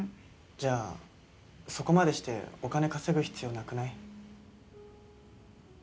じゃあそこまでしてお金稼ぐ必要なくない？